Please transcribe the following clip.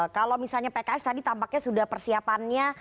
kalau misalnya pks tadi tampaknya sudah persiapannya